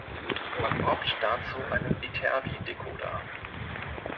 Man braucht dazu einen Viterbi-Dekoder.